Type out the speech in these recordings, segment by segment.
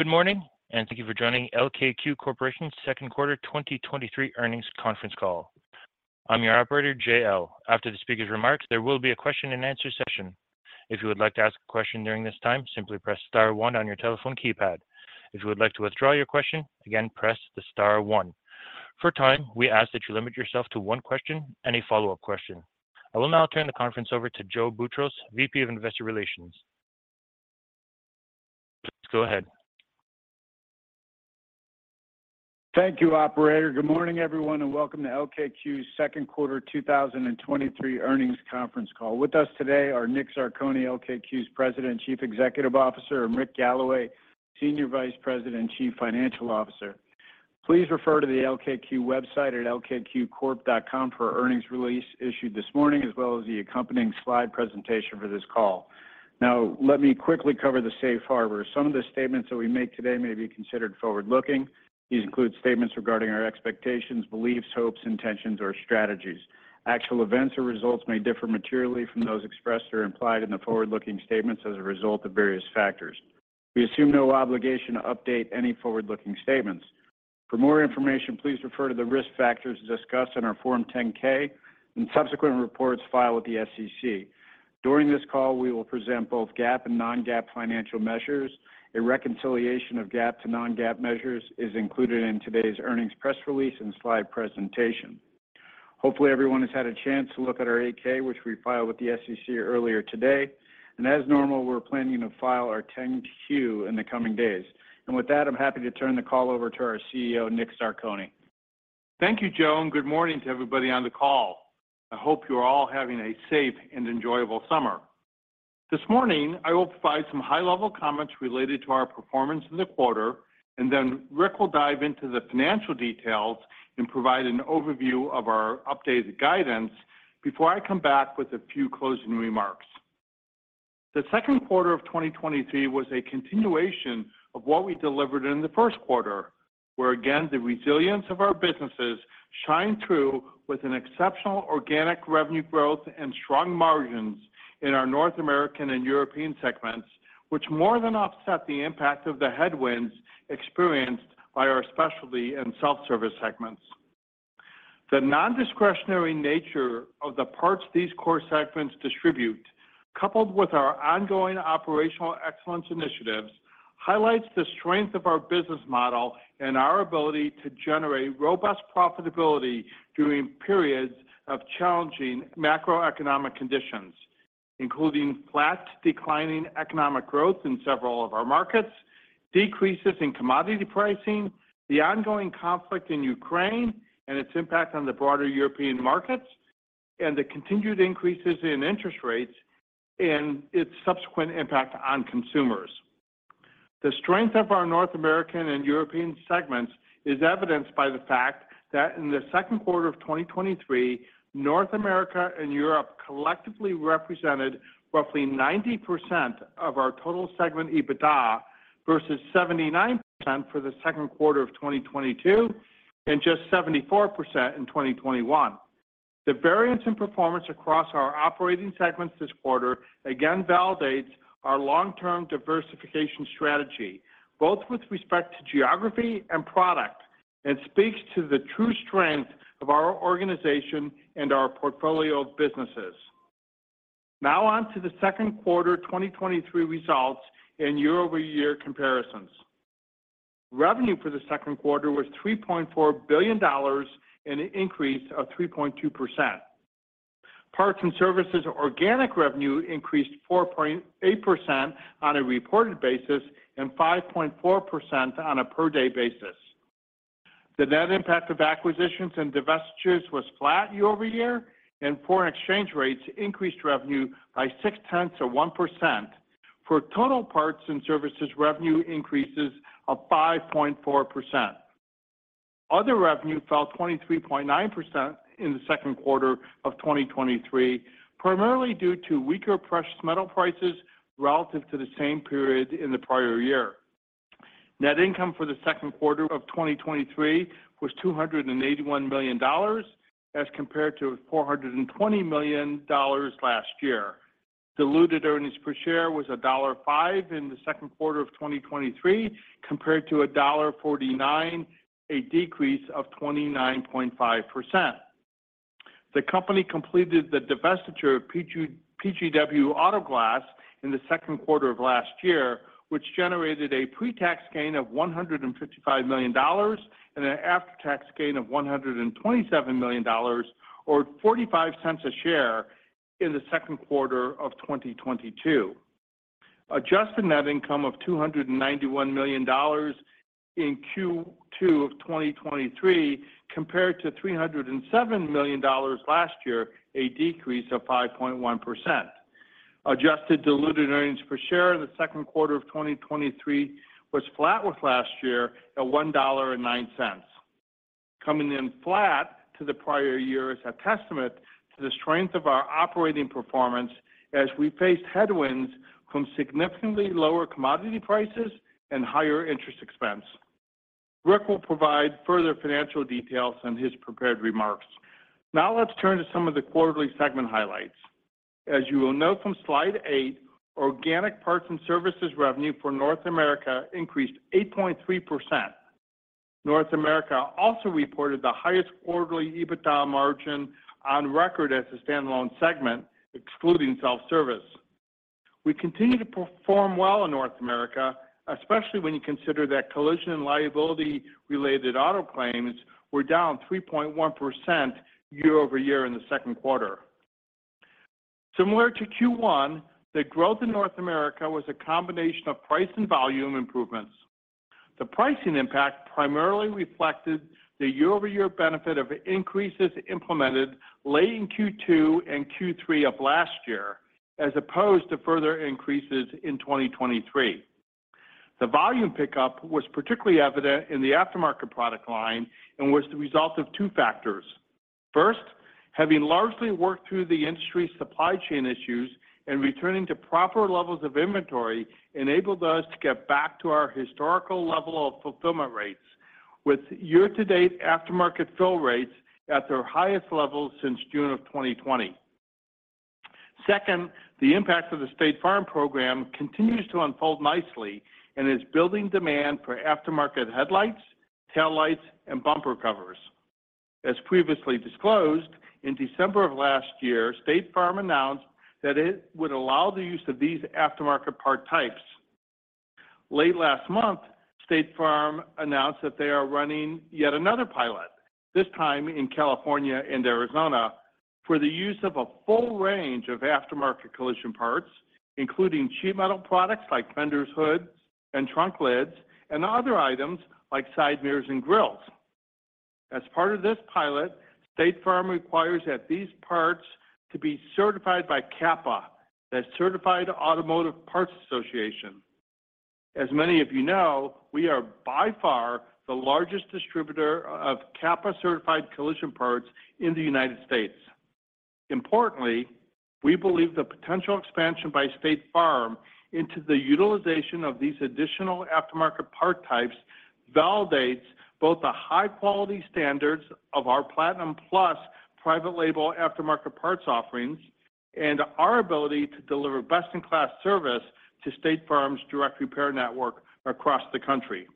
Good morning. Thank you for joining LKQ Corporation's second quarter 2023 earnings conference call. I'm your operator, Jiao. After the speaker's remarks, there will be a question and answer session. If you would like to ask a question during this time, simply press star one on your telephone keypad. If you would like to withdraw your question, again, press the star one. For time, we ask that you limit yourself to one question and a follow-up question. I will now turn the conference over to Joe Boutross, VP of Investor Relations. Go ahead. Thank you, Operator. Good morning, everyone, and welcome to LKQ's second quarter 2023 earnings conference call. With us today are Nick Zarcone, LKQ's President and Chief Executive Officer, and Rick Galloway, Senior Vice President and Chief Financial Officer. Please refer to the LKQ website at lkqcorp.com for our earnings release issued this morning, as well as the accompanying slide presentation for this call. Now, let me quickly cover the Safe Harbor. Some of the statements that we make today may be considered forward-looking. These include statements regarding our expectations, beliefs, hopes, intentions, or strategies. Actual events or results may differ materially from those expressed or implied in the forward-looking statements as a result of various factors. We assume no obligation to update any forward-looking statements. For more information, please refer to the risk factors discussed in our Form 10-K and subsequent reports filed with the SEC. During this call, we will present both GAAP and non-GAAP financial measures. A reconciliation of GAAP to non-GAAP measures is included in today's earnings press release and slide presentation. Hopefully, everyone has had a chance to look at our 8-K, which we filed with the SEC earlier today. As normal, we're planning to file our 10-Q in the coming days. With that, I'm happy to turn the call over to our CEO, Nick Zarcone. Thank you, Joe. Good morning to everybody on the call. I hope you are all having a safe and enjoyable summer. This morning, I will provide some high-level comments related to our performance in the quarter. Then Rick will dive into the financial details and provide an overview of our updated guidance before I come back with a few closing remarks. The second quarter of 2023 was a continuation of what we delivered in the first quarter, where again, the resilience of our businesses shined through with an exceptional organic revenue growth and strong margins in our North American and European segments, which more than offset the impact of the headwinds experienced by our Specialty and Self-Service segments. The non-discretionary nature of the parts these core segments distribute, coupled with our ongoing operational excellence initiatives, highlights the strength of our business model and our ability to generate robust profitability during periods of challenging macroeconomic conditions, including flat, declining economic growth in several of our markets, decreases in commodity pricing, the ongoing conflict in Ukraine and its impact on the broader European markets, and the continued increases in interest rates and its subsequent impact on consumers. The strength of our North American and European segments is evidenced by the fact that in the second quarter of 2023, North America and Europe collectively represented roughly 90% of our total segment EBITDA, versus 79% for the second quarter of 2022, and just 74% in 2021. The variance in performance across our operating segments this quarter again validates our long-term diversification strategy, both with respect to geography and product, and speaks to the true strength of our organization and our portfolio of businesses. Now on to the second quarter 2023 results and year-over-year comparisons. Revenue for the second quarter was $3.4 billion, an increase of 3.2%. Parts and services organic revenue increased 4.8% on a reported basis and 5.4% on a per-day basis. The net impact of acquisitions and divestitures was flat year-over-year. Foreign exchange rates increased revenue by 0.6%. For total parts and services, revenue increases of 5.4%. Other revenue fell 23.9% in the second quarter of 2023, primarily due to weaker precious metal prices relative to the same period in the prior year. Net income for the second quarter of 2023 was $281 million, as compared to $420 million last year. Diluted earnings per share was $1.05 in the second quarter of 2023, compared to $1.49, a decrease of 29.5%. The company completed the divestiture of PGW Auto Glass in the second quarter of last year, which generated a pre-tax gain of $155 million and an after-tax gain of $127 million or $0.45 a share in the second quarter of 2022. Adjusted net income of $291 million in Q2 of 2023, compared to $307 million last year, a decrease of 5.1%. Adjusted diluted earnings per share in the second quarter of 2023 was flat with last year at $1.09. Coming in flat to the prior year is a testament to the strength of our operating performance as we faced headwinds from significantly lower commodity prices and higher interest expense. Rick will provide further financial details in his prepared remarks. Now let's turn to some of the quarterly segment highlights. As you will note from slide eight, organic parts and services revenue for North America increased 8.3%. North America also reported the highest quarterly EBITDA margin on record as a standalone segment, excluding Self-Service. We continue to perform well in North America, especially when you consider that collision and liability-related auto claims were down 3.1% year-over-year in the second quarter. Similar to Q1, the growth in North America was a combination of price and volume improvements. The pricing impact primarily reflected the year-over-year benefit of increases implemented late in Q2 and Q3 of last year, as opposed to further increases in 2023. The volume pickup was particularly evident in the aftermarket product line and was the result of two factors. First, having largely worked through the industry supply chain issues and returning to proper levels of inventory enabled us to get back to our historical level of fulfillment rates, with year-to-date aftermarket fill rates at their highest levels since June of 2020. Second, the impact of the State Farm program continues to unfold nicely and is building demand for aftermarket headlights, taillights, and bumper covers. As previously disclosed, in December of last year, State Farm announced that it would allow the use of these aftermarket part types. Late last month, State Farm announced that they are running yet another pilot, this time in California and Arizona, for the use of a full range of aftermarket collision parts, including sheet metal products like fenders, hoods, and trunk lids, and other items like side mirrors and grilles. As part of this pilot, State Farm requires that these parts to be certified by CAPA, the Certified Automotive Parts Association. As many of you know, we are by far the largest distributor of CAPA-certified collision parts in the United States. Importantly, we believe the potential expansion by State Farm into the utilization of these additional aftermarket part types validates both the high-quality standards of our Platinum Plus private label aftermarket parts offerings and our ability to deliver best-in-class service to State Farm's direct repair network across the country.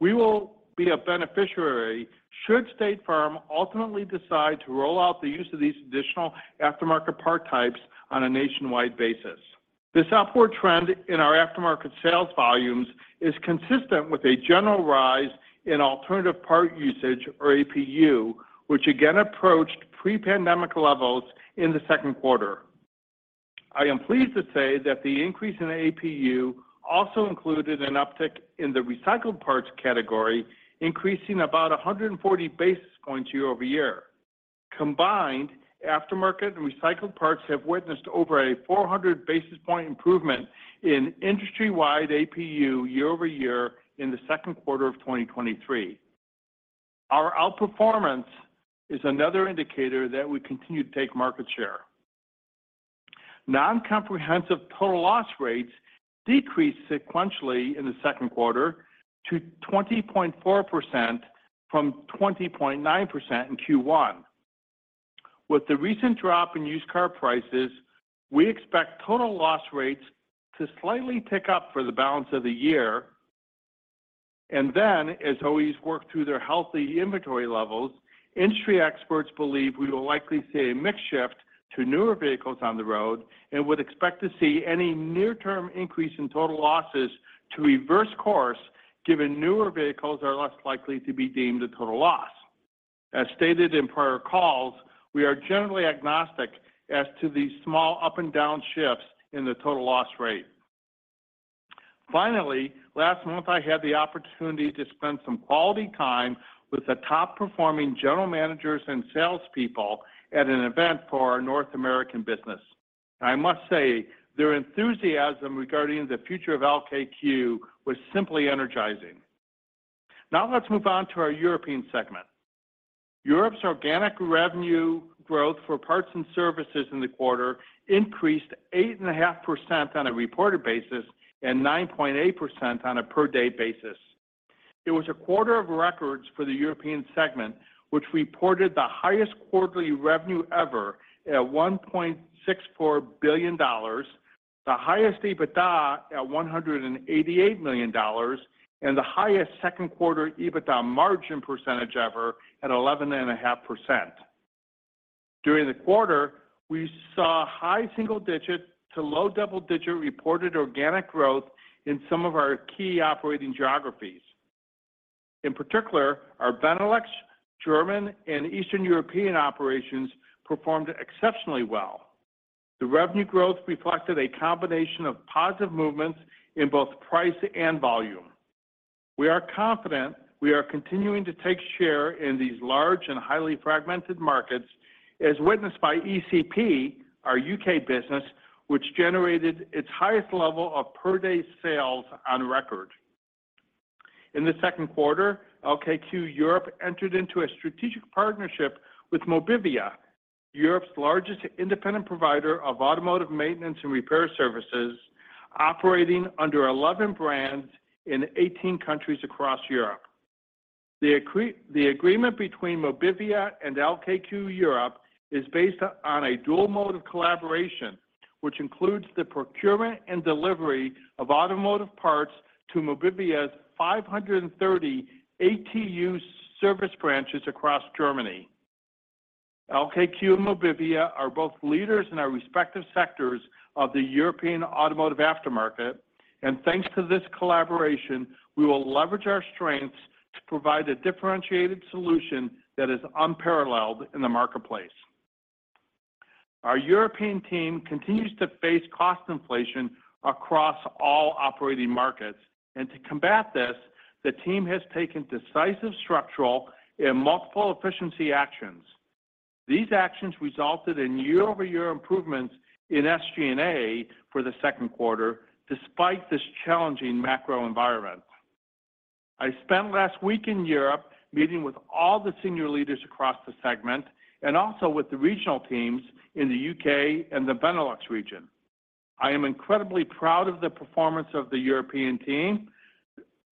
We will be a beneficiary should State Farm ultimately decide to roll out the use of these additional aftermarket part types on a nationwide basis. This upward trend in our aftermarket sales volumes is consistent with a general rise in alternative part usage, or APU, which again approached pre-pandemic levels in the second quarter. I am pleased to say that the increase in APU also included an uptick in the recycled parts category, increasing about 140 basis points year-over-year. Combined, aftermarket and recycled parts have witnessed over a 400 basis point improvement in industry-wide APU year-over-year in the second quarter of 2023. Our outperformance is another indicator that we continue to take market share. Non-comprehensive total loss rates decreased sequentially in the second quarter to 20.4% from 20.9% in Q1. With the recent drop in used car prices, we expect total loss rates to slightly tick up for the balance of the year. As OE work through their healthy inventory levels, industry experts believe we will likely see a mix shift to newer vehicles on the road and would expect to see any near-term increase in total losses to reverse course, given newer vehicles are less likely to be deemed a total loss. As stated in prior calls, we are generally agnostic as to the small up and down shifts in the total loss rate. Last month, I had the opportunity to spend some quality time with the top-performing general managers and salespeople at an event for our North American business. I must say, their enthusiasm regarding the future of LKQ was simply energizing. Let's move on to our European segment. Europe's organic revenue growth for parts and services in the quarter increased 8.5% on a reported basis and 9.8% on a per-day basis. It was a quarter of records for the European segment, which reported the highest quarterly revenue ever at $1.64 billion, the highest EBITDA at $188 million, and the highest second quarter EBITDA margin percentage ever at 11.5%. During the quarter, we saw high single-digit to low double-digit reported organic growth in some of our key operating geographies. In particular, our Benelux, German, and Eastern European operations performed exceptionally well. The revenue growth reflected a combination of positive movements in both price and volume. We are confident we are continuing to take share in these large and highly fragmented markets, as witnessed by ECP, our U.K. business, which generated its highest level of per-day sales on record. In the second quarter, LKQ Europe entered into a strategic partnership with Mobivia, Europe's largest independent provider of automotive maintenance and repair services, operating under 11 brands in 18 countries across Europe. The agreement between Mobivia and LKQ Europe is based on a dual mode of collaboration, which includes the procurement and delivery of automotive parts to Mobivia's 530 ATU service branches across Germany. LKQ and Mobivia are both leaders in our respective sectors of the European automotive aftermarket, and thanks to this collaboration, we will leverage our strengths to provide a differentiated solution that is unparalleled in the marketplace. Our European team continues to face cost inflation across all operating markets, and to combat this, the team has taken decisive structural and multiple efficiency actions. These actions resulted in year-over-year improvements in SG&A for the second quarter, despite this challenging macro environment. I spent last week in Europe meeting with all the senior leaders across the segment and also with the regional teams in the U.K. and the Benelux region. I am incredibly proud of the performance of the European team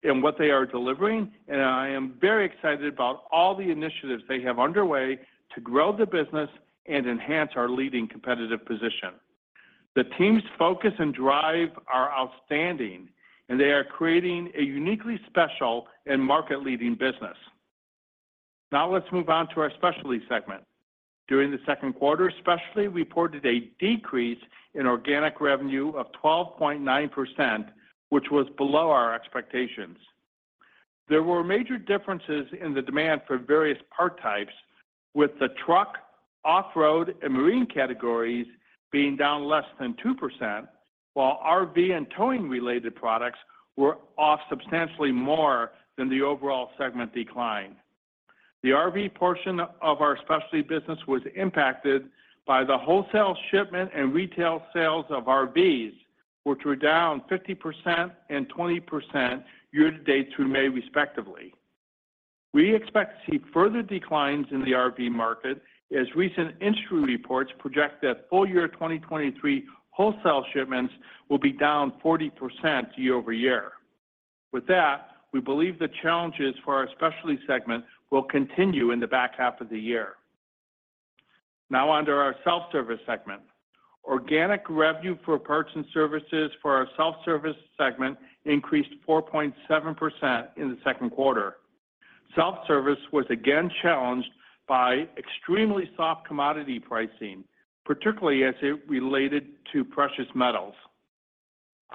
and what they are delivering, and I am very excited about all the initiatives they have underway to grow the business and enhance our leading competitive position. The team's focus and drive are outstanding, and they are creating a uniquely special and market-leading business. Now let's move on to our Specialty segment. During the second quarter, Specialty reported a decrease in organic revenue of 12.9%, which was below our expectations. There were major differences in the demand for various part types, with the truck, off-road, and marine categories being down less than 2%, while RV and towing-related products were off substantially more than the overall segment decline. The RV portion of our Specialty business was impacted by the wholesale shipment and retail sales of RVs, which were down 50% and 20% year to date through May, respectively. We expect to see further declines in the RV market as recent industry reports project that full year 2023 wholesale shipments will be down 40% year-over-year. With that, we believe the challenges for our Specialty segment will continue in the back half of the year. Now, on to our Self-Service segment. Organic revenue for parts and services for our Self-Service segment increased 4.7% in the second quarter. Self-Service was again challenged by extremely soft commodity pricing, particularly as it related to precious metals.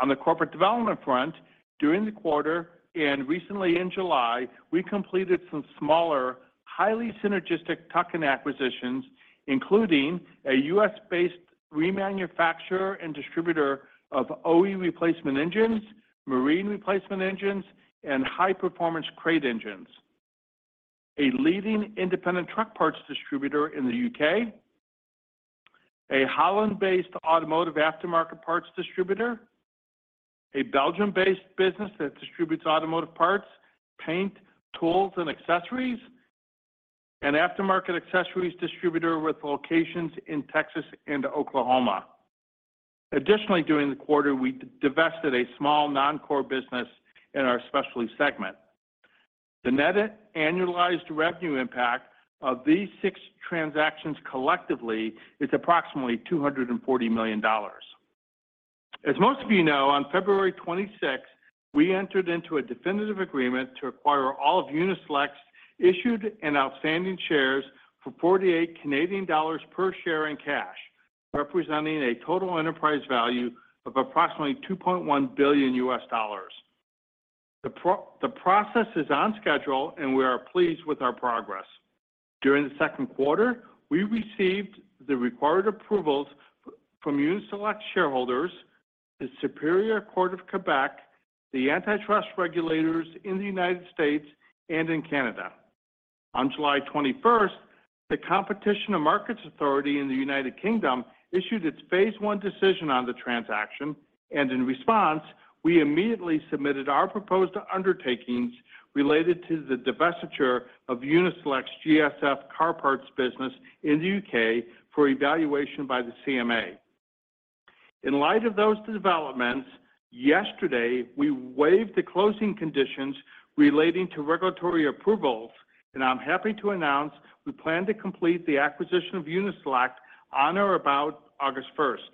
On the corporate development front, during the quarter and recently in July, we completed some smaller, highly synergistic tuck-in acquisitions, including a U.S.-based remanufacturer and distributor of OE replacement engines, marine replacement engines, and high-performance crate engines, a leading independent truck parts distributor in the U.K., a Holland-based automotive aftermarket parts distributor, a Belgium-based business that distributes automotive parts, paint, tools, and accessories, an aftermarket accessories distributor with locations in Texas and Oklahoma. Additionally, during the quarter, we divested a small non-core business in our Specialty segment. The net annualized revenue impact of these six transactions collectively is approximately $240 million. As most of you know, on February 26, we entered into a definitive agreement to acquire all of Uni-Select's issued and outstanding shares for 48 Canadian dollars per share in cash, representing a total enterprise value of approximately $2.1 billion. The process is on schedule, and we are pleased with our progress. During the second quarter, we received the required approvals from Uni-Select shareholders, the Superior Court of Quebec, the antitrust regulators in the U.S. and in Canada. On July 21st, the Competition and Markets Authority in the U.K. issued its phase one decision on the transaction, and in response, we immediately submitted our proposed undertakings related to the divestiture of Uni-Select's GSF Car Parts business in the U.K. for evaluation by the CMA. In light of those developments, yesterday, we waived the closing conditions relating to regulatory approvals. I'm happy to announce we plan to complete the acquisition of Uni-Select on or about August first.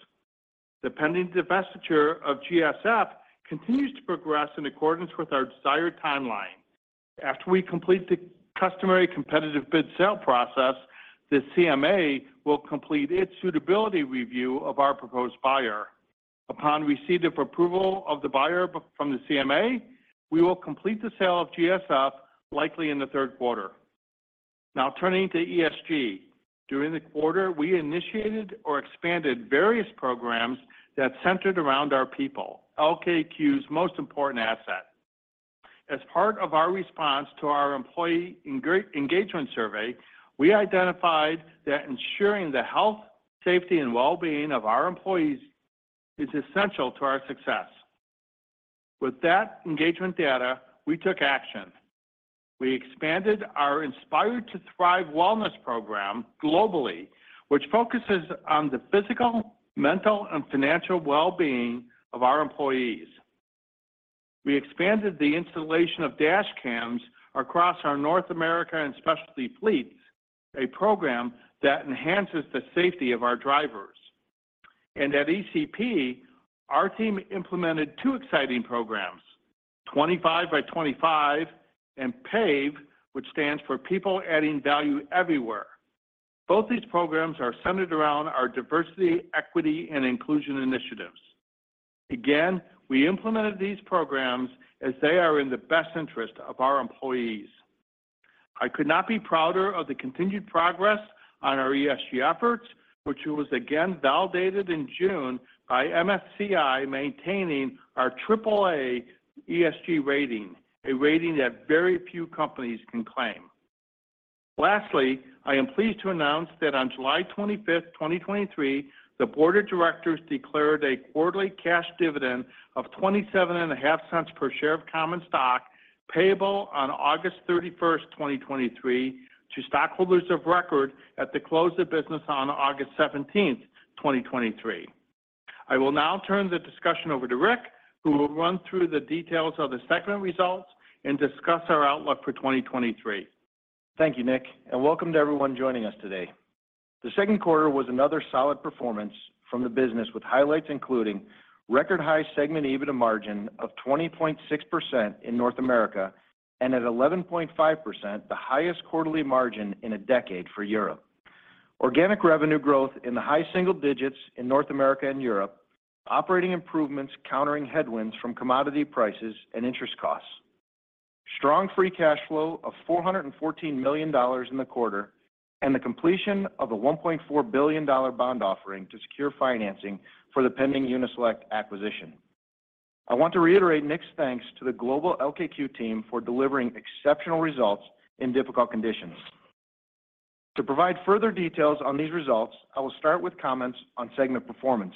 The pending divestiture of GSF Car Parts continues to progress in accordance with our desired timeline. After we complete the customary competitive bid sale process, the CMA will complete its suitability review of our proposed buyer. Upon receipt of approval of the buyer from the CMA, we will complete the sale of GSF Car Parts, likely in the third quarter. Turning to ESG. During the quarter, we initiated or expanded various programs that centered around our people, LKQ's most important asset. As part of our response to our employee engagement survey, we identified that ensuring the health, safety, and well-being of our employees is essential to our success. With that engagement data, we took action. We expanded our Inspired to Thrive wellness program globally, which focuses on the physical, mental, and financial well-being of our employees. We expanded the installation of dash cams across our North America and specialty fleets, a program that enhances the safety of our drivers. At ECP, our team implemented two exciting programs: 25 by 25 and PAVE, which stands for People Adding Value Everywhere. Both these programs are centered around our diversity, equity, and inclusion initiatives. We implemented these programs as they are in the best interest of our employees. I could not be prouder of the continued progress on our ESG efforts, which was again validated in June by MSCI maintaining our triple A ESG rating, a rating that very few companies can claim. Lastly, I am pleased to announce that on July 25th, 2023, the board of directors declared a quarterly cash dividend of $0.275 per share of common stock, payable on August 31st, 2023, to stockholders of record at the close of business on August 17th, 2023. I will now turn the discussion over to Rick, who will run through the details of the segment results and discuss our outlook for 2023. Thank you, Nick, and welcome to everyone joining us today. The second quarter was another solid performance from the business, with highlights including record-high segment EBITDA margin of 20.6% in North America and at 11.5%, the highest quarterly margin in a decade for Europe. Organic revenue growth in the high single digits in North America and Europe, operating improvements countering headwinds from commodity prices and interest costs. Strong free cash flow of $414 million in the quarter, and the completion of a $1.4 billion bond offering to secure financing for the pending Uni-Select acquisition. I want to reiterate Nick's thanks to the global LKQ team for delivering exceptional results in difficult conditions. To provide further details on these results, I will start with comments on segment performance.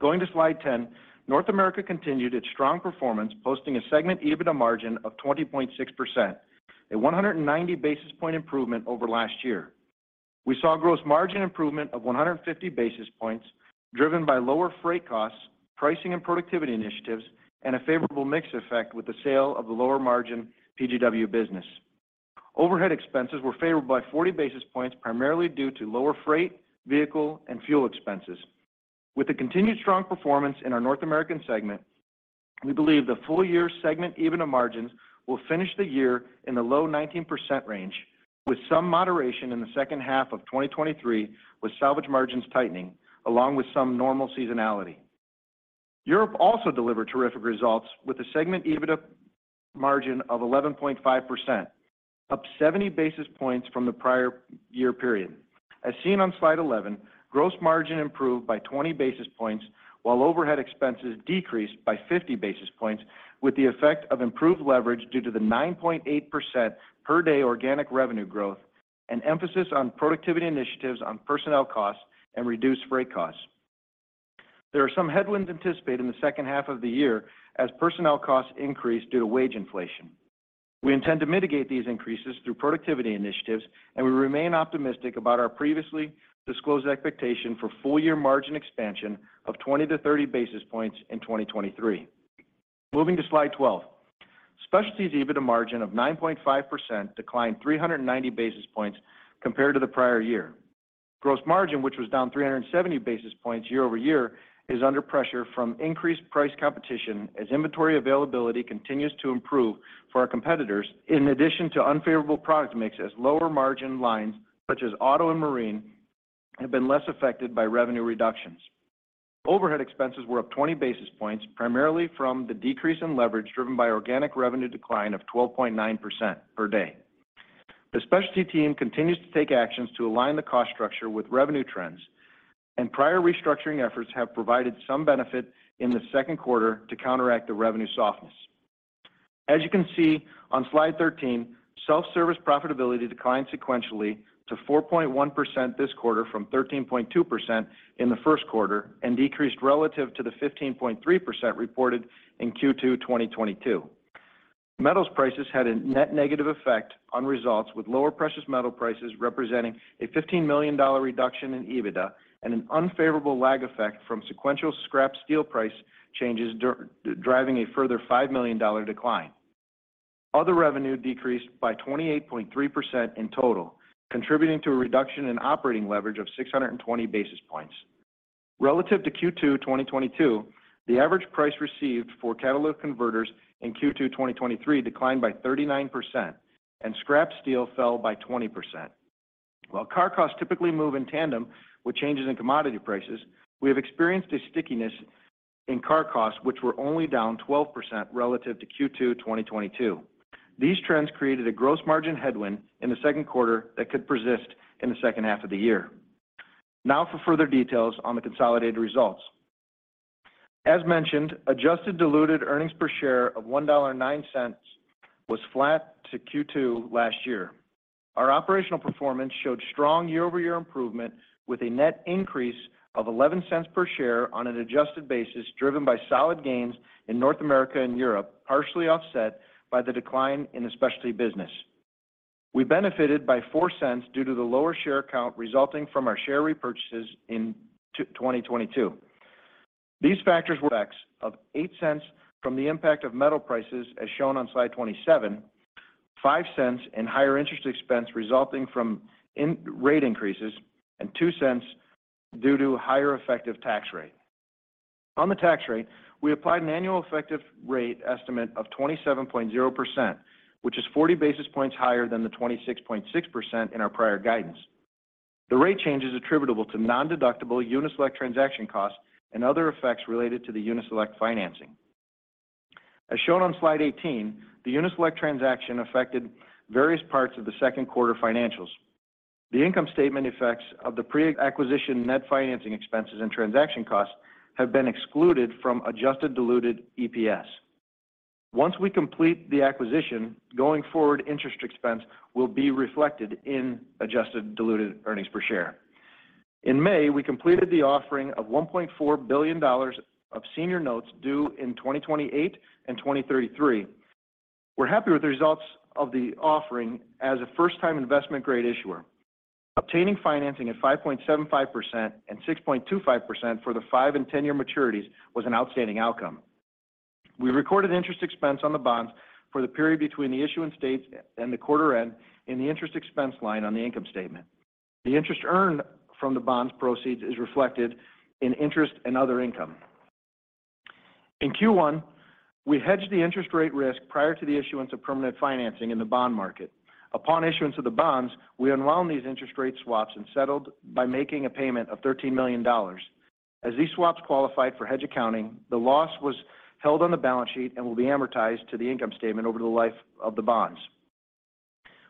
Going to slide 10, North America continued its strong performance, posting a segment EBITDA margin of 20.6%, a 190 basis point improvement over last year. We saw gross margin improvement of 150 basis points, driven by lower freight costs, pricing and productivity initiatives, and a favorable mix effect with the sale of the lower-margin PGW business. Overhead expenses were favored by 40 basis points, primarily due to lower freight, vehicle, and fuel expenses. With the continued strong performance in our North American segment, we believe the full-year segment EBITDA margins will finish the year in the low 19% range, with some moderation in the second half of 2023, with salvage margins tightening, along with some normal seasonality. Europe also delivered terrific results, with a segment EBITDA margin of 11.5%, up 70 basis points from the prior year period. As seen on slide 11, gross margin improved by 20 basis points, while overhead expenses decreased by 50 basis points, with the effect of improved leverage due to the 9.8% per day organic revenue growth and emphasis on productivity initiatives on personnel costs and reduced freight costs. There are some headwinds anticipated in the second half of the year as personnel costs increase due to wage inflation. We intend to mitigate these increases through productivity initiatives, and we remain optimistic about our previously disclosed expectation for full-year margin expansion of 20-30 basis points in 2023. Moving to slide 12. Specialties EBITDA margin of 9.5% declined 390 basis points compared to the prior year. Gross margin, which was down 370 basis points year-over-year, is under pressure from increased price competition as inventory availability continues to improve for our competitors, in addition to unfavorable product mix, as lower-margin lines, such as auto and marine, have been less affected by revenue reductions. Overhead expenses were up 20 basis points, primarily from the decrease in leverage driven by organic revenue decline of 12.9% per day. The Specialty team continues to take actions to align the cost structure with revenue trends, and prior restructuring efforts have provided some benefit in the second quarter to counteract the revenue softness. As you can see on slide 13, Self-Service profitability declined sequentially to 4.1% this quarter from 13.2% in the first quarter and decreased relative to the 15.3% reported in Q2 2022. Metals prices had a net negative effect on results, with lower precious metal prices representing a $15 million reduction in EBITDA and an unfavorable lag effect from sequential scrap steel price changes, driving a further $5 million decline. Other revenue decreased by 28.3% in total, contributing to a reduction in operating leverage of 620 basis points. Relative to Q2 2022, the average price received for catalytic converters in Q2 2023 declined by 39%, and scrap steel fell by 20%. While car costs typically move in tandem with changes in commodity prices, we have experienced a stickiness in car costs, which were only down 12% relative to Q2 2022. These trends created a gross margin headwind in the second quarter that could persist in the second half of the year. For further details on the consolidated results. As mentioned, adjusted diluted earnings per share of $1.09 was flat to Q2 last year. Our operational performance showed strong year-over-year improvement, with a net increase of $0.11 per share on an adjusted basis, driven by solid gains in North America and Europe, partially offset by the decline in the Specialty business. We benefited by $0.04 due to the lower share count resulting from our share repurchases in 2022. These factors were of $0.08 from the impact of metal prices, as shown on slide 27, $0.05 in higher interest expense resulting from rate increases, and $0.02 due to higher effective tax rate. On the tax rate, we applied an annual effective rate estimate of 27.0%, which is 40 basis points higher than the 26.6% in our prior guidance. The rate change is attributable to nondeductible Uni-Select transaction costs and other effects related to the Uni-Select financing. As shown on slide 18, the Uni-Select transaction affected various parts of the second quarter financials. The income statement effects of the pre-acquisition net financing expenses and transaction costs have been excluded from adjusted diluted EPS. Once we complete the acquisition, going forward, interest expense will be reflected in adjusted diluted earnings per share. In May, we completed the offering of $1.4 billion of senior notes due in 2028 and 2033. We're happy with the results of the offering as a first-time investment-grade issuer. Obtaining financing at 5.75% and 6.25% for the five and 10-year maturities was an outstanding outcome. We recorded interest expense on the bonds for the period between the issuance dates and the quarter end in the interest expense line on the income statement. The interest earned from the bonds proceeds is reflected in interest and other income. In Q1, we hedged the interest rate risk prior to the issuance of permanent financing in the bond market. Upon issuance of the bonds, we unwound these interest rate swaps and settled by making a payment of $13 million. As these swaps qualified for hedge accounting, the loss was held on the balance sheet and will be amortized to the income statement over the life of the bonds.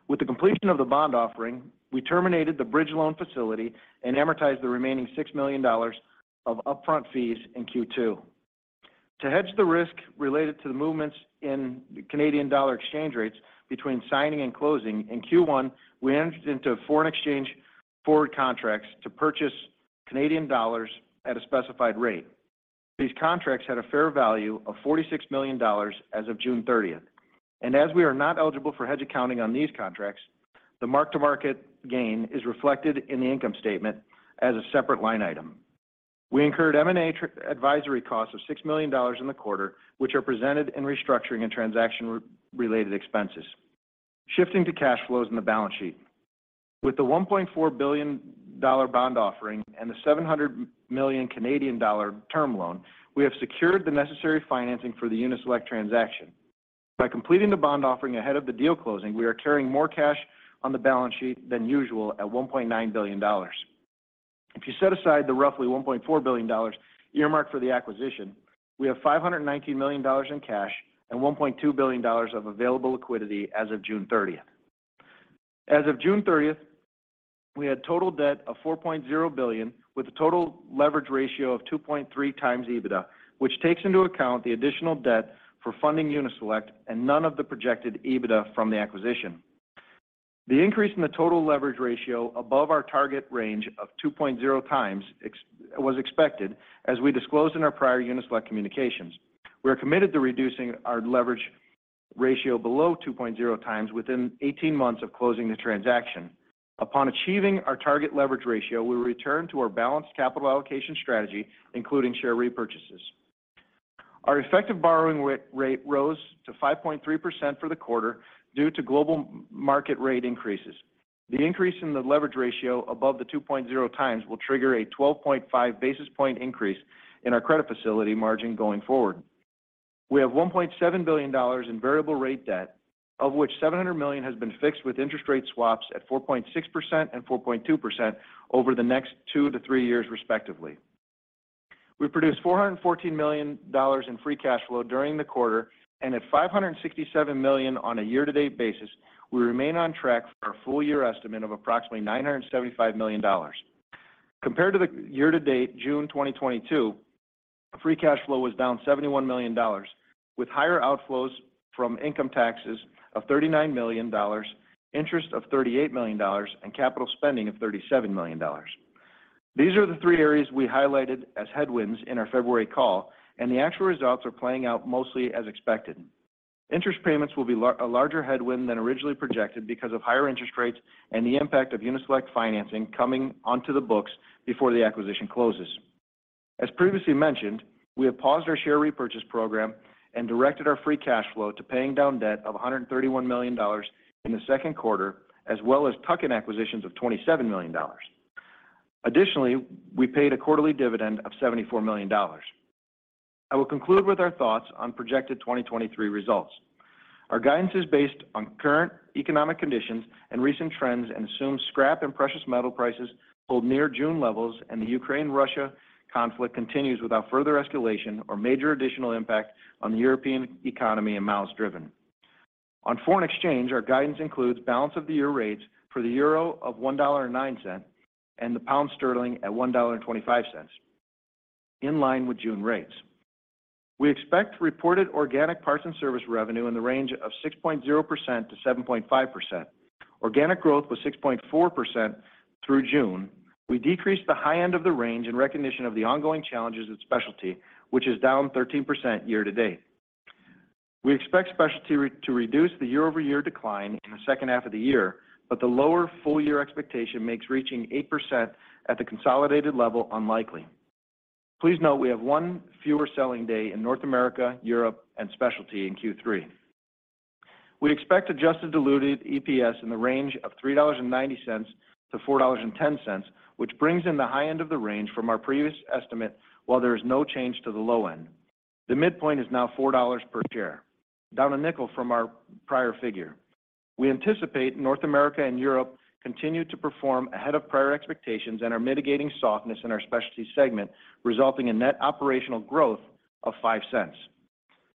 With the completion of the bond offering, we terminated the bridge loan facility and amortized the remaining $6 million of upfront fees in Q2. To hedge the risk related to the movements in Canadian dollar exchange rates between signing and closing, in Q1, we entered into foreign exchange forward contracts to purchase Canadian dollars at a specified rate. These contracts had a fair value of $46 million as of June 30th, and as we are not eligible for hedge accounting on these contracts, the mark-to-market gain is reflected in the income statement as a separate line item. We incurred M&A advisory costs of $6 million in the quarter, which are presented in restructuring and transaction related expenses. Shifting to cash flows in the balance sheet. With the $1.4 billion bond offering and the 700 million Canadian dollar term loan, we have secured the necessary financing for the Uni-Select transaction. By completing the bond offering ahead of the deal closing, we are carrying more cash on the balance sheet than usual at $1.9 billion. If you set aside the roughly $1.4 billion earmarked for the acquisition, we have $519 million in cash and $1.2 billion of available liquidity as of June 30th. As of June 30th, we had total debt of $4.0 billion, with a total leverage ratio of 2.3x EBITDA, which takes into account the additional debt for funding Uni-Select and none of the projected EBITDA from the acquisition. The increase in the total leverage ratio above our target range of 2.0x was expected, as we disclosed in our prior Uni-Select communications. We are committed to reducing our leverage ratio below 2.0 times within 18 months of closing the transaction. Upon achieving our target leverage ratio, we will return to our balanced capital allocation strategy, including share repurchases. Our effective borrowing rate rose to 5.3% for the quarter due to global market rate increases. The increase in the leverage ratio above the 2.0 times will trigger a 12.5 basis point increase in our credit facility margin going forward. We have $1.7 billion in variable rate debt, of which $700 million has been fixed with interest rate swaps at 4.6% and 4.2% over the next 2 to 3 years, respectively. We produced $414 million in free cash flow during the quarter. At $567 million on a year-to-date basis, we remain on track for our full year estimate of approximately $975 million. Compared to the year-to-date June 2022, free cash flow was down $71 million, with higher outflows from income taxes of $39 million, interest of $38 million, and capital spending of $37 million. These are the three areas we highlighted as headwinds in our February call. The actual results are playing out mostly as expected. Interest payments will be a larger headwind than originally projected because of higher interest rates and the impact of Uni-Select financing coming onto the books before the acquisition closes. As previously mentioned, we have paused our share repurchase program and directed our free cash flow to paying down debt of $131 million in the second quarter, as well as tuck-in acquisitions of $27 million. Additionally, we paid a quarterly dividend of $74 million. I will conclude with our thoughts on projected 2023 results. Our guidance is based on current economic conditions and recent trends and assumes scrap and precious metal prices hold near June levels, and the Ukraine-Russia conflict continues without further escalation or major additional impact on the European economy and miles driven. On foreign exchange, our guidance includes balance of the year rates for the euro of $1.09 and the pound sterling at $1.25 in line with June rates. We expect reported organic parts and service revenue in the range of 6.0%-7.5%. Organic growth was 6.4% through June. We decreased the high end of the range in recognition of the ongoing challenges at Specialty, which is down 13% year to date. We expect Specialty to reduce the year-over-year decline in the second half of the year, the lower full year expectation makes reaching 8% at the consolidated level unlikely. Please note we have one fewer selling day in North America, Europe, and Specialty in Q3. We expect adjusted diluted EPS in the range of $3.90-$4.10, which brings in the high end of the range from our previous estimate, while there is no change to the low end. The midpoint is now $4 per share, down $0.05 from our prior figure. We anticipate North America and Europe continue to perform ahead of prior expectations and are mitigating softness in our Specialty segment, resulting in net operational growth of $0.05.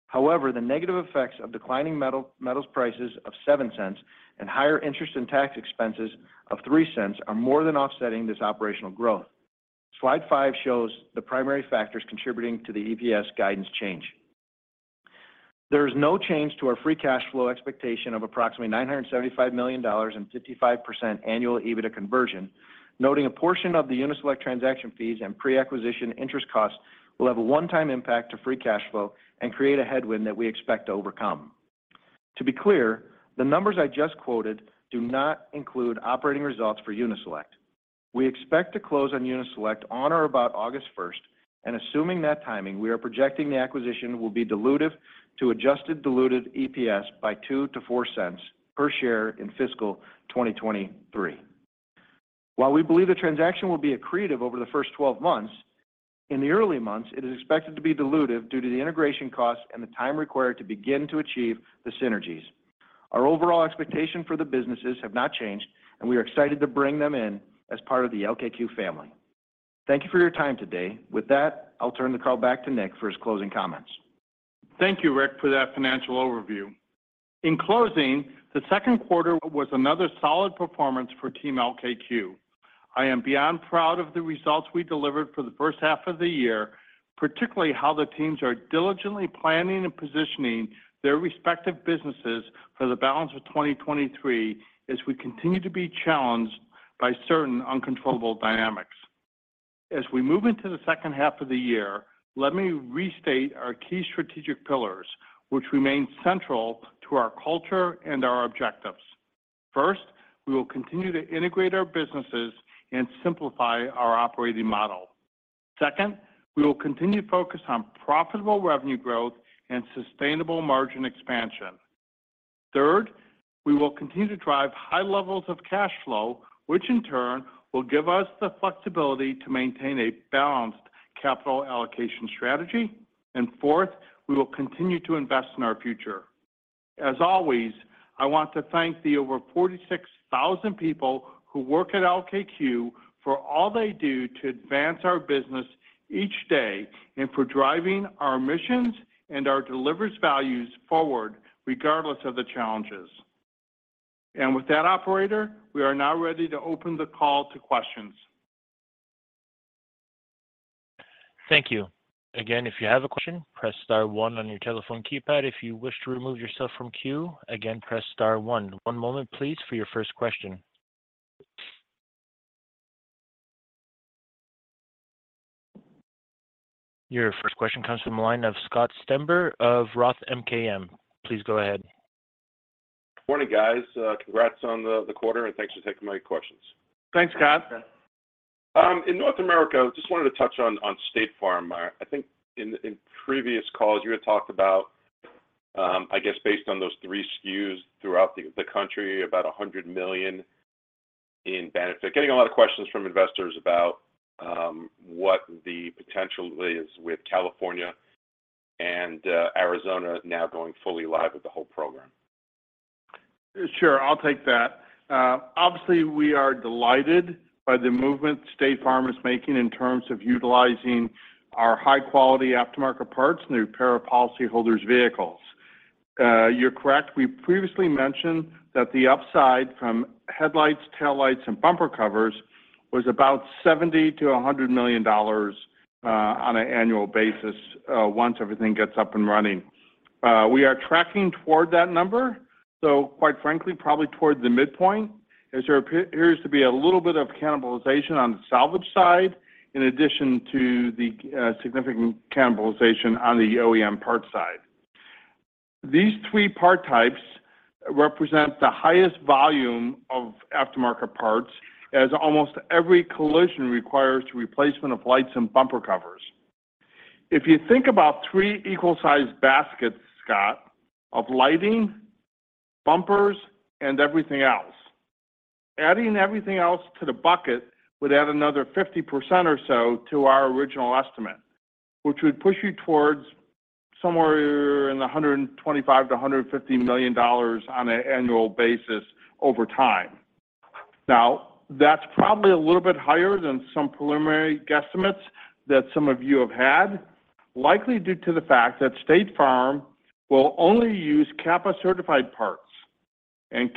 However, the negative effects of declining metals prices of $0.07 and higher interest in tax expenses of $0.03 are more than offsetting this operational growth. Slide 5 shows the primary factors contributing to the EPS guidance change. There is no change to our free cash flow expectation of approximately $975 million and 55% annual EBITDA conversion, noting a portion of the Uni-Select transaction fees and pre-acquisition interest costs will have a one-time impact to free cash flow and create a headwind that we expect to overcome. To be clear, the numbers I just quoted do not include operating results for Uni-Select. We expect to close on Uni-Select on or about August 1st, and assuming that timing, we are projecting the acquisition will be dilutive to adjusted diluted EPS by $0.02-$0.04 per share in fiscal 2023. While we believe the transaction will be accretive over the first 12 months, in the early months, it is expected to be dilutive due to the integration costs and the time required to begin to achieve the synergies. Our overall expectation for the businesses have not changed, and we are excited to bring them in as part of the LKQ family. Thank you for your time today. With that, I'll turn the call back to Nick for his closing comments. Thank you, Rick, for that financial overview. In closing, the 2Q was another solid performance for Team LKQ. I am beyond proud of the results we delivered for the 1H of the year, particularly how the teams are diligently planning and positioning their respective businesses for the balance of 2023, as we continue to be challenged by certain uncontrollable dynamics. As we move into the 2H of the year, let me restate our key strategic pillars, which remain central to our culture and our objectives. First, we will continue to integrate our businesses and simplify our operating model. Second, we will continue to focus on profitable revenue growth and sustainable margin expansion. Third, we will continue to drive high levels of cash flow, which in turn will give us the flexibility to maintain a balanced capital allocation strategy. Fourth, we will continue to invest in our future. As always, I want to thank the over 46,000 people who work at LKQ for all they do to advance our business each day and for driving our missions and our delivers values forward, regardless of the challenges. With that, operator, we are now ready to open the call to questions. Thank you. Again, if you have a question, press star one on your telephone keypad. If you wish to remove yourself from queue, again, press star one. One moment, please, for your first question. Your first question comes from the line of Scott Stember of ROTH MKM. Please go ahead. Morning, guys. congrats on the quarter, and thanks for taking my questions. Thanks, Scott. In North America, just wanted to touch on State Farm. I think in previous calls, you had talked about, I guess based on those three SKUs throughout the country, about $100 million in benefit. Getting a lot of questions from investors about, what the potential is with California and Arizona now going fully live with the whole program. Sure. I'll take that. Obviously, we are delighted by the movement State Farm is making in terms of utilizing our high-quality aftermarket parts and the repair of policyholders' vehicles. You're correct. We previously mentioned that the upside from headlights, taillights, and bumper covers was about $70 million-$100 million, on an annual basis, once everything gets up and running. We are tracking toward that number, so quite frankly, probably toward the midpoint, as there appears to be a little bit of cannibalization on the salvage side, in addition to the significant cannibalization on the OEM parts side. These three part types represent the highest volume of aftermarket parts, as almost every collision requires replacement of lights and bumper covers. If you think about 3 equal-sized baskets, Scott, of lighting, bumpers, and everything else, adding everything else to the bucket would add another 50% or so to our original estimate, which would push you towards somewhere in the $125 million-$150 million on an annual basis over time. That's probably a little bit higher than some preliminary guesstimates that some of you have had, likely due to the fact that State Farm will only use CAPA-certified parts.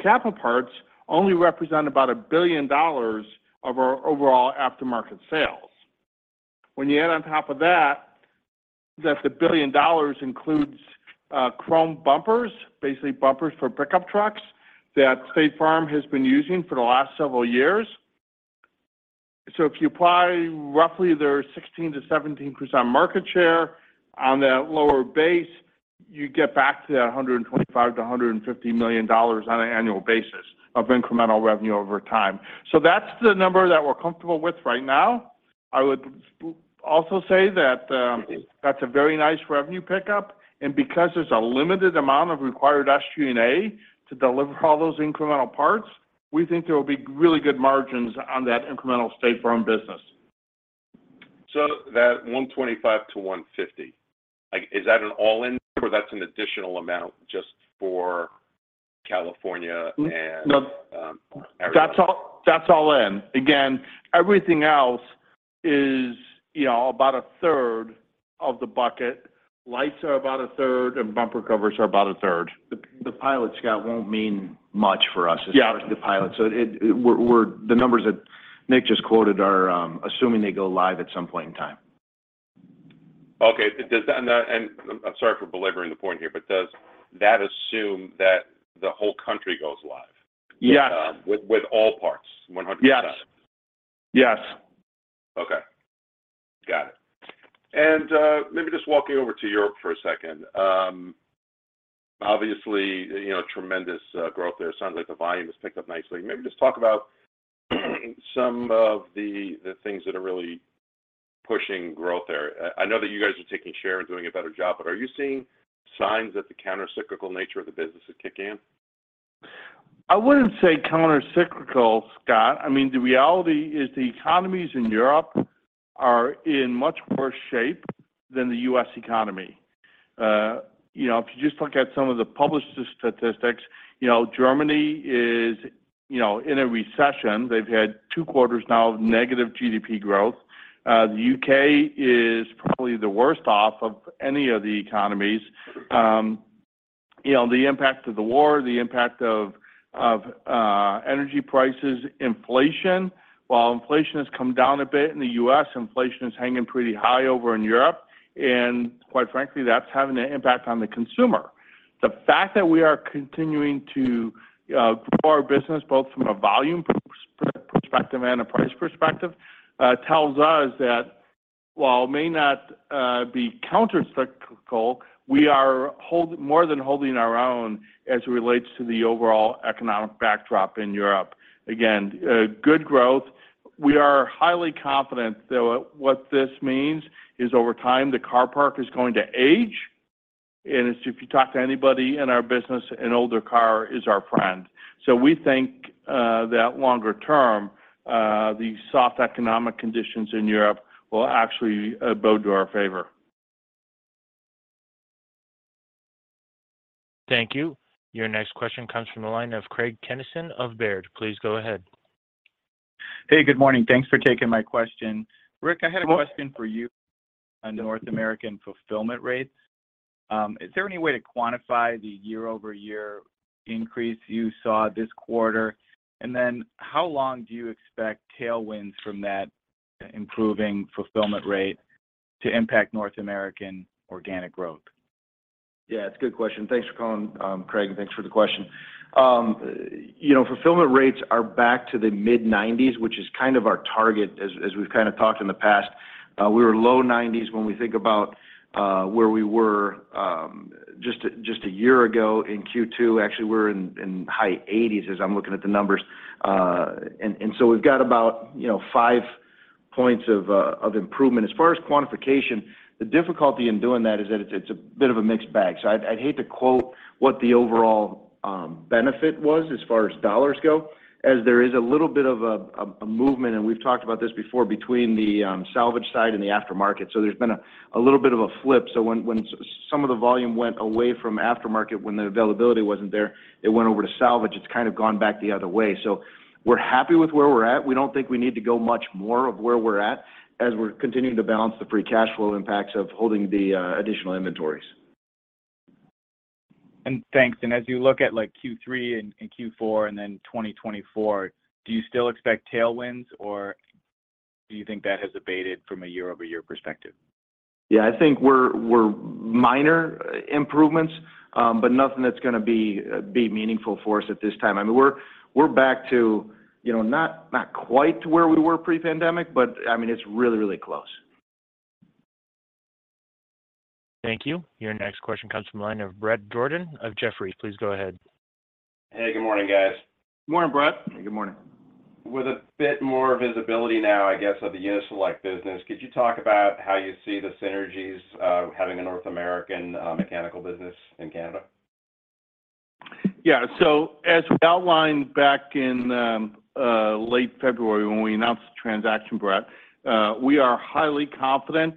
Capital parts only represent about $1 billion of our overall aftermarket sales. When you add on top of that the $1 billion includes chrome bumpers, basically bumpers for pickup trucks, that State Farm has been using for the last several years. If you apply roughly their 16%-17% market share on that lower base, you get back to that $125 million-$150 million on an annual basis of incremental revenue over time. That's the number that we're comfortable with right now. I would also say that's a very nice revenue pickup, and because there's a limited amount of required SG&A to deliver all those incremental parts, we think there will be really good margins on that incremental State Farm business. That $125-$150, like, is that an all-in, or that's an additional amount just for California? That's all in. Again, everything else is you know, about a third of the bucket. Lights are about a third, and bumper covers are about a third. The pilot, Scott, won't mean much for us. Yeah. the pilot. It, we're the numbers that Nick just quoted are assuming they go live at some point in time. Okay. Does that. I'm sorry for belaboring the point here, but does that assume that the whole country goes live? Yeah. With all parts, 100%? Yes. Yes. Okay. Got it. Maybe just walking over to Europe for a second. Obviously, you know, tremendous growth there. Sounds like the volume has picked up nicely. Maybe just talk about some of the things that are really pushing growth there. I know that you guys are taking share and doing a better job, but are you seeing signs that the countercyclical nature of the business is kicking in? I wouldn't say countercyclical, Scott. I mean, the reality is the economies in Europe are in much worse shape than the U.S. economy. You know, if you just look at some of the published statistics, you know, Germany is, you know, in a recession. They've had two quarters now of negative GDP growth. The U.K. is probably the worst off of any of the economies. You know, the impact of the war, the impact of energy prices, inflation. While inflation has come down a bit in the U.S., inflation is hanging pretty high over in Europe, and quite frankly, that's having an impact on the consumer. The fact that we are continuing to grow our business, both from a volume perspective and a price perspective, tells us that while it may not be countercyclical, we are more than holding our own as it relates to the overall economic backdrop in Europe. Again, a good growth. We are highly confident that what this means is over time, the car park is going to age, and if you talk to anybody in our business, an older car is our friend. We think that longer term, the soft economic conditions in Europe will actually bode to our favor. Thank you. Your next question comes from the line of Craig Kennison of Baird. Please go ahead. Hey, good morning. Thanks for taking my question. Rick, I had a question for you on North American fulfillment rates. Is there any way to quantify the year-over-year increase you saw this quarter? Then how long do you expect tailwinds from that improving fulfillment rate to impact North American organic growth? It's a good question. Thanks for calling, Craig, and thanks for the question. You know, fulfillment rates are back to the mid-nineties, which is kind of our target, as we've kind of talked in the past. We were low nineties when we think about where we were just a year ago in Q2. Actually, we're in high eighties as I'm looking at the numbers. We've got about, you know, 5 points of improvement. As far as quantification, the difficulty in doing that is that it's a bit of a mixed bag. I'd hate to quote what the overall benefit was as far as dollars go, as there is a little bit of a movement, and we've talked about this before, between the salvage side and the aftermarket. There's been a little bit of a flip. When some of the volume went away from aftermarket, when the availability wasn't there, it went over to salvage. It's kind of gone back the other way. We're happy with where we're at. We don't think we need to go much more of where we're at, as we're continuing to balance the free cash flow impacts of holding the additional inventories. Thanks. As you look at, like, Q3 and Q4 and then 2024, do you still expect tailwinds, or do you think that has abated from a year-over-year perspective? Yeah, I think we're minor improvements, but nothing that's gonna be meaningful for us at this time. I mean, we're back to, you know, not quite to where we were pre-pandemic, but, I mean, it's really, really close. Thank you. Your next question comes from the line of Bret Jordan of Jefferies. Please go ahead. Hey, good morning, guys. Good morning, Bret. Good morning. With a bit more visibility now, I guess, of the Uni-Select business, could you talk about how you see the synergies of having a North American mechanical business in Canada? As we outlined back in late February when we announced the transaction, Bret Jordan, we are highly confident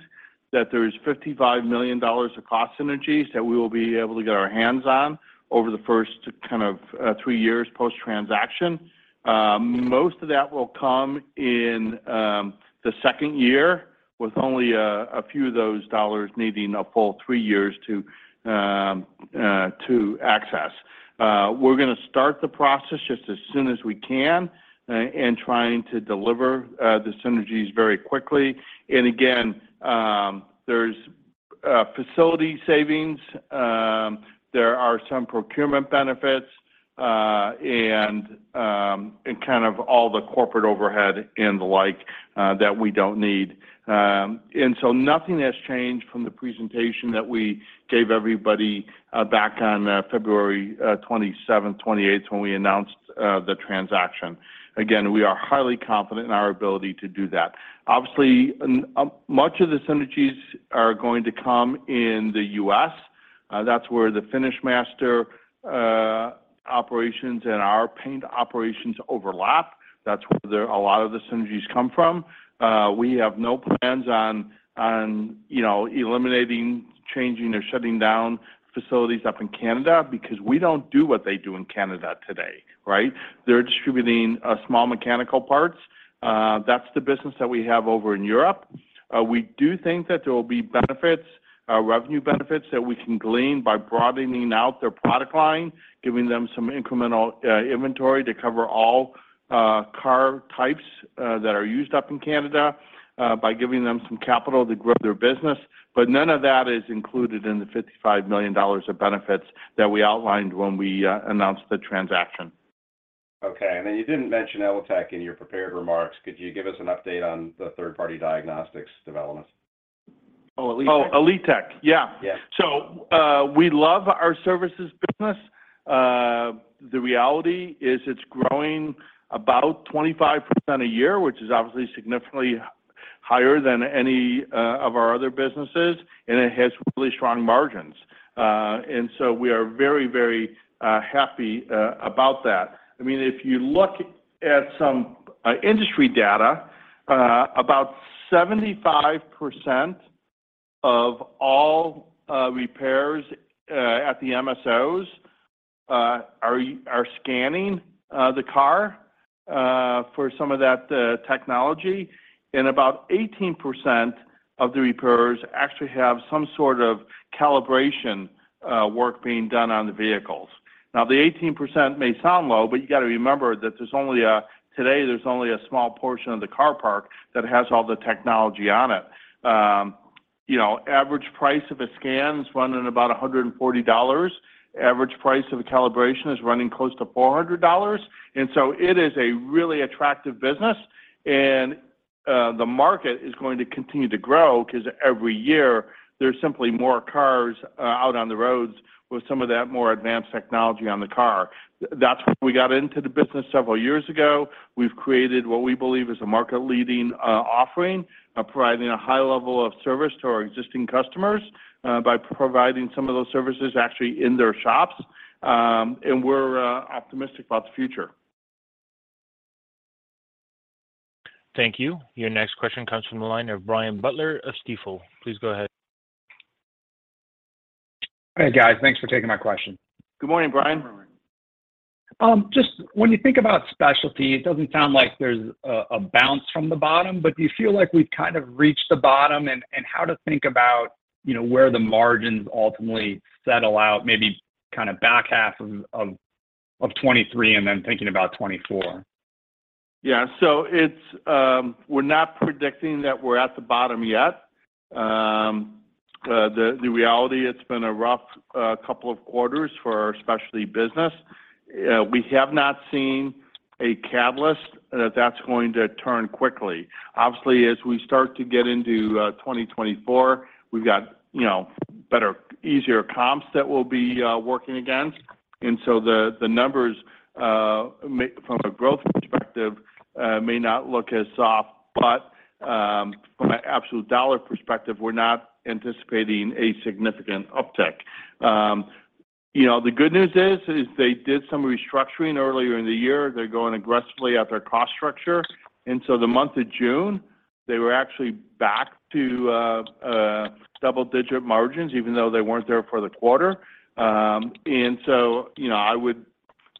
that there is $55 million of cost synergies that we will be able to get our hands on over the first kind of three years post-transaction. Most of that will come in the second year, with only a few of those dollars needing a full three years to access. We're gonna start the process just as soon as we can in trying to deliver the synergies very quickly. Again, there's facility savings, there are some procurement benefits, and kind of all the corporate overhead and the like that we don't need. Nothing has changed from the presentation that we gave everybody back on February 27th, 28th, when we announced the transaction. Again, we are highly confident in our ability to do that. Obviously, much of the synergies are going to come in the U.S. That's where the FinishMaster operations and our paint operations overlap. That's where a lot of the synergies come from. We have no plans on, you know, eliminating, changing, or shutting down facilities up in Canada because we don't do what they do in Canada today, right? They're distributing small mechanical parts. That's the business that we have over in Europe. We do think that there will be benefits, revenue benefits, that we can glean by broadening out their product line, giving them some incremental, inventory to cover all car types that are used up in Canada, by giving them some capital to grow their business. None of that is included in the $55 million of benefits that we outlined when we announced the transaction. Okay. You didn't mention Elitek in your prepared remarks. Could you give us an update on the third-party diagnostics development? Oh, Elitek. Oh, Elitek. Yeah. Yeah. We love our services business. The reality is it's growing about 25% a year, which is obviously significantly higher than any of our other businesses, and it has really strong margins. We are very, very happy about that. I mean, if you look at some industry data, about 75% of all repairs at the MSOs are scanning the car for some of that technology, and about 18% of the repairs actually have some sort of calibration work being done on the vehicles. The 18% may sound low, but you got to remember that today, there's only a small portion of the car park that has all the technology on it. you know, average price of a scan is running about $140. Average price of a calibration is running close to $400. It is a really attractive business, and the market is going to continue to grow because every year there's simply more cars out on the roads with some of that more advanced technology on the car. That's why we got into the business several years ago. We've created what we believe is a market-leading offering, providing a high level of service to our existing customers by providing some of those services actually in their shops. We're optimistic about the future. Thank you. Your next question comes from the line of Brian Butler of Stifel. Please go ahead. Hey, guys. Thanks for taking my question. Good morning, Brian. Just when you think about Specialty, it doesn't sound like there's a bounce from the bottom, but do you feel like we've kind of reached the bottom? How to think about, you know, where the margins ultimately settle out, maybe kind of back half of 2023 and then thinking about 2024? Yeah. We're not predicting that we're at the bottom yet. The reality, it's been a rough couple of quarters for our Specialty business. We have not seen a catalyst that that's going to turn quickly. Obviously, as we start to get into 2024, we've got, you know, better, easier comps that we'll be working against. The numbers may, from a growth perspective, may not look as soft, but from an absolute dollar perspective, we're not anticipating a significant uptick. You know, the good news is they did some restructuring earlier in the year. They're going aggressively at their cost structure. The month of June, they were actually back to a double-digit margins, even though they weren't there for the quarter. You know, I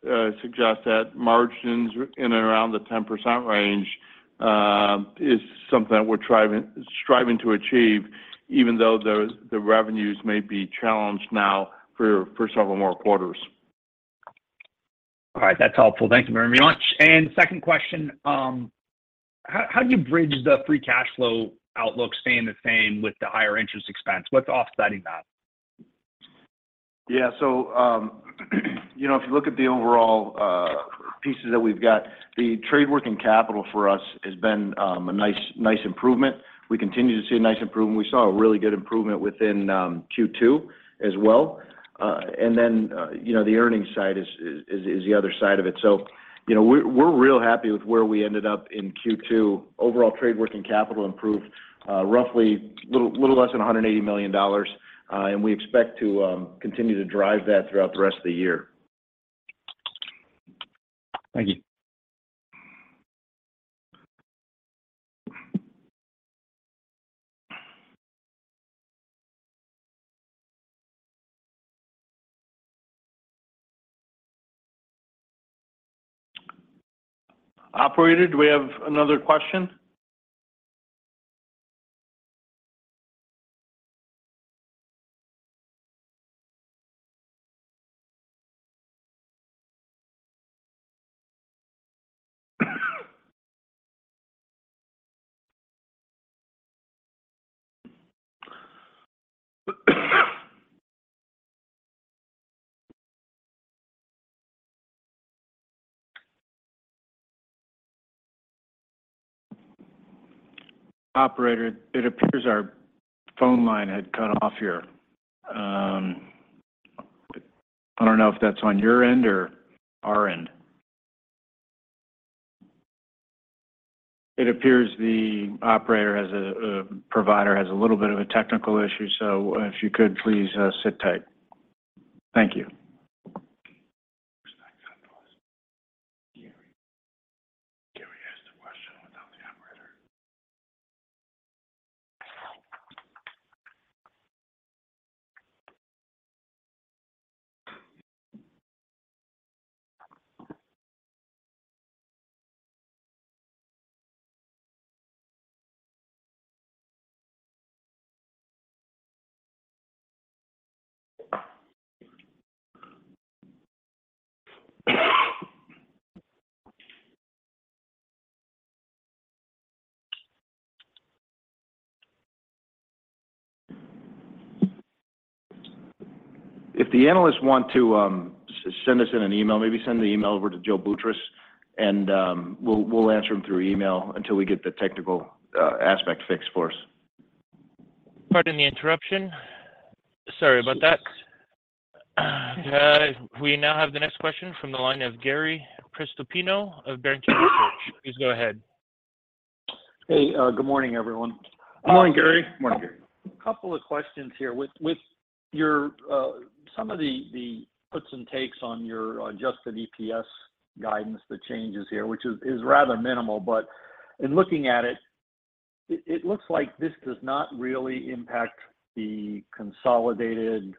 would suggest that margins in and around the 10% range is something that we're striving to achieve, even though the revenues may be challenged now for several more quarters. All right, that's helpful. Thank you very much. Second question, how do you bridge the free cash flow outlook staying the same with the higher interest expense? What's offsetting that? You know, if you look at the overall pieces that we've got, the trade working capital for us has been a nice improvement. We continue to see a nice improvement. We saw a really good improvement within Q2 as well. You know, the earnings side is the other side of it. You know, we're real happy with where we ended up in Q2. Overall, trade working capital improved roughly little less than $180 million, and we expect to continue to drive that throughout the rest of the year. Thank you. Operator, do we have another question? Operator, it appears our phone line had cut off here. I don't know if that's on your end or our end? It appears the operator has a provider has a little bit of a technical issue, so if you could please sit tight. Thank you. If the analysts want to, send us in an email, maybe send the email over to Joe Boutross, and we'll answer them through email until we get the technical aspect fixed for us. Pardon the interruption. Sorry about that. We now have the next question from the line of Gary Prestopino of Berenberg Research. Please go ahead. Hey, good morning, everyone. Morning, Gary. Morning, Gary. A couple of questions here. With, with your, some of the puts and takes on your adjusted EPS guidance, the changes here, which is rather minimal, but in looking at it, it looks like this does not really impact the consolidated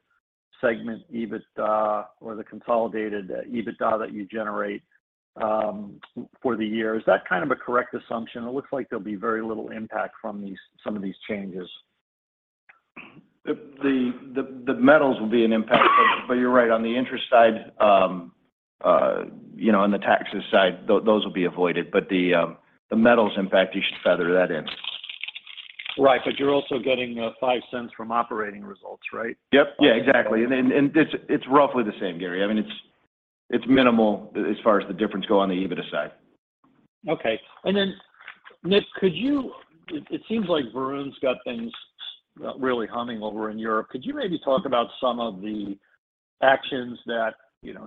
segment, EBITDA, or the consolidated EBITDA that you generate for the year. Is that kind of a correct assumption? It looks like there'll be very little impact from some of these changes. The metals will be an impact. You're right, on the interest side, you know, on the taxes side, those will be avoided. The metals impact, you should feather that in. Right. You're also getting, $0.05 from operating results, right? Yep. Yeah, exactly. It's roughly the same, Gary. I mean, it's minimal as far as the difference go on the EBITDA side. Okay. Nick, it seems like Varun's got things really humming over in Europe. Could you maybe talk about some of the actions that, you know,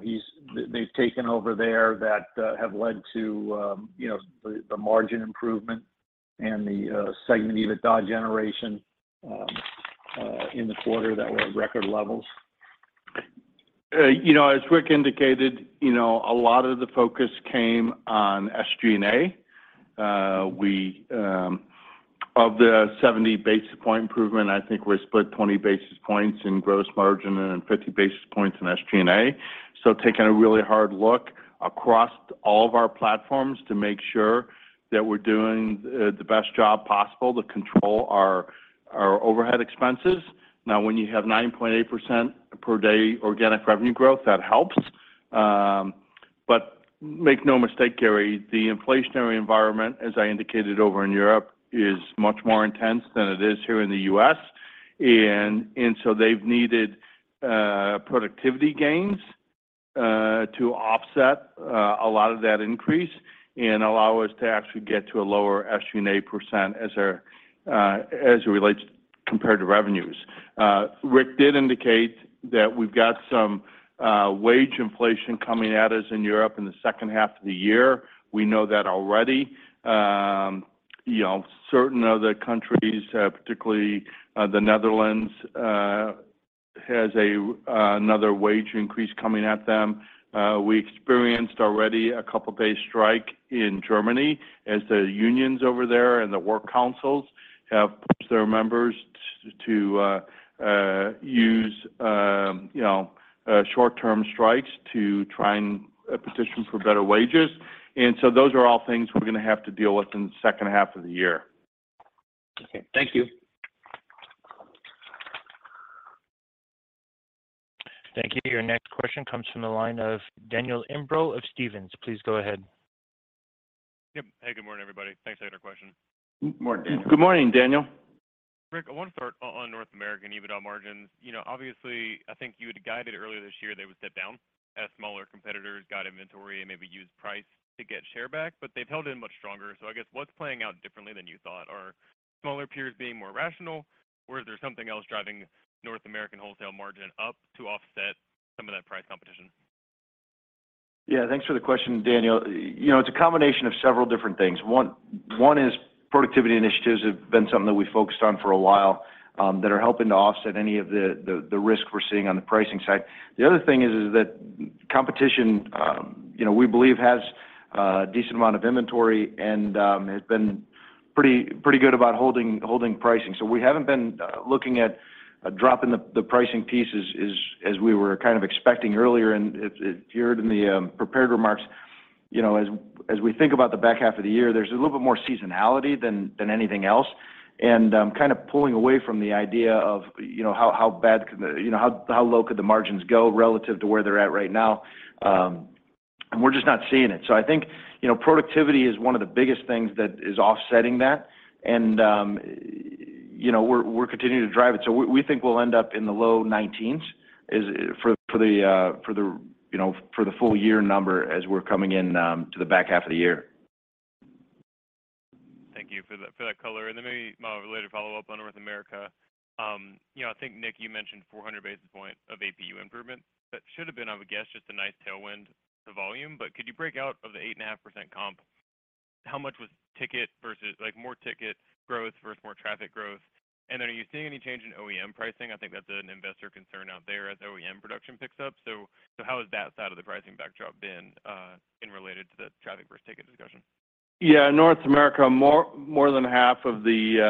they've taken over there that have led to, you know, the margin improvement and the segment EBITDA generation in the quarter that were at record levels? You know, as Rick indicated, you know, a lot of the focus came on SG&A. We, of the 70 basis point improvement, I think we're split 20 basis points in gross margin and 50 basis points in SG&A. Taking a really hard look across all of our platforms to make sure that we're doing the best job possible to control our overhead expenses. Now, when you have 9.8% per day organic revenue growth, that helps. Make no mistake, Gary, the inflationary environment, as I indicated over in Europe, is much more intense than it is here in the U.S. They've needed productivity gains to offset a lot of that increase and allow us to actually get to a lower SG&A percent as our, as it relates compared to revenues. Rick did indicate that we've got some wage inflation coming at us in Europe in the second half of the year. We know that already. You know, certain other countries, particularly, the Netherlands, has another wage increase coming at them. We experienced already a couple base strike in Germany as the unions over there and the work councils have pushed their members to use, you know, short-term strikes to try and petition for better wages. Those are all things we're gonna have to deal with in the second half of the year. Okay. Thank you. Thank you. Your next question comes from the line of Daniel Imbro of Stephens. Please go ahead. Yep. Hey, good morning, everybody. Thanks for taking our question. Good morning, Daniel. Good morning, Daniel. Rick, I want to start on North American EBITDA margins. You know, obviously, I think you had guided earlier this year, they would step down as smaller competitors got inventory and maybe price to get share back, but they've held in much stronger. I guess, what's playing out differently than you thought? Are smaller peers being more rational, or is there something else driving North American wholesale margin up to offset some of that price competition? Yeah, thanks for the question, Daniel. You know, it's a combination of several different things. One is productivity initiatives have been something that we focused on for a while, that are helping to offset any of the risk we're seeing on the pricing side. The other thing is that competition, you know, we believe has a decent amount of inventory and has been pretty good about holding pricing. We haven't been looking at dropping the pricing piece as we were kind of expecting earlier. You heard in the prepared remarks, You know, as we think about the back half of the year, there's a little bit more seasonality than anything else. kind of pulling away from the idea of, you know, how bad could the, you know, how low could the margins go relative to where they're at right now? we're just not seeing it. I think, you know, productivity is one of the biggest things that is offsetting that, and, you know, we're continuing to drive it. we think we'll end up in the low 19s for the, you know, for the full year number as we're coming in to the back half of the year. Thank you for that color. Maybe my related follow-up on North America. You know, I think, Nick, you mentioned 400 basis points of APU improvement. That should have been, I would guess, just a nice tailwind to volume. Could you break out of the 8.5% comp, how much was ticket versus like more ticket growth versus more traffic growth? Are you seeing any change in OEM pricing? I think that's an investor concern out there as OEM production picks up. How has that side of the pricing backdrop been in related to the traffic versus ticket discussion? Yeah, North America, more than half of the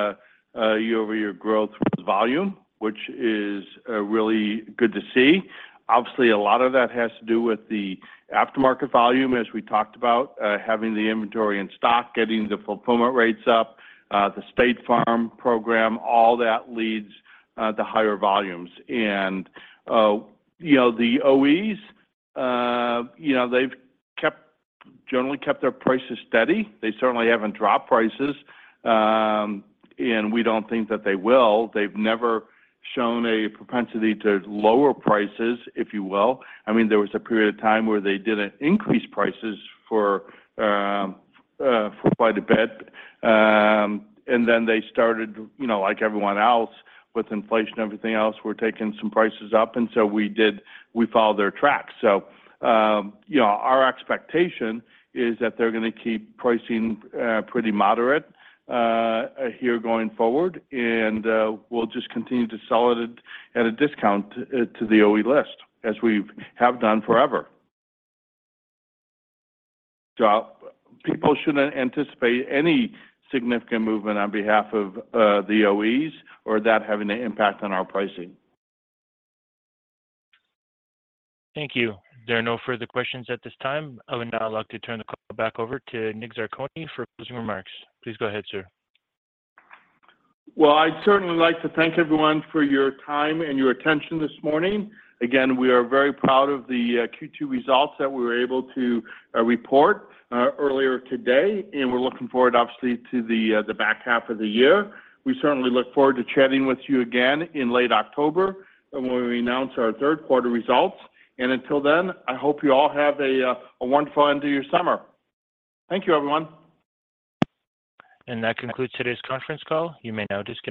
year-over-year growth was volume, which is really good to see. Obviously, a lot of that has to do with the aftermarket volume as we talked about, having the inventory in stock, getting the fulfillment rates up, the State Farm program, all that leads to higher volumes. You know, the OEs, you know, they've generally kept their prices steady. They certainly haven't dropped prices, and we don't think that they will. They've never shown a propensity to lower prices, if you will. I mean, there was a period of time where they didn't increase prices for quite a bit. Then they started, you know, like everyone else, with inflation, everything else, we're taking some prices up, so we did. We followed their tracks. You know, our expectation is that they're gonna keep pricing pretty moderate here going forward, and we'll just continue to sell it at a discount to the OE list, as we've done forever. People shouldn't anticipate any significant movement on behalf of the OEs or that having an impact on our pricing. Thank you. There are no further questions at this time. I would now like to turn the call back over to Dominick Zarcone for closing remarks. Please go ahead, sir. Well, I'd certainly like to thank everyone for your time and your attention this morning. Again, we are very proud of the Q2 results that we were able to report earlier today, and we're looking forward, obviously, to the back half of the year. We certainly look forward to chatting with you again in late October when we announce our third quarter results. Until then, I hope you all have a wonderful end to your summer. Thank you, everyone. That concludes today's conference call. You may now disconnect.